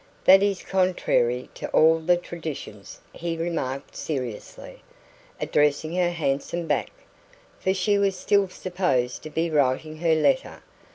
"That is contrary to all the traditions," he remarked seriously, addressing her handsome back; for she was still supposed to be writing her letter.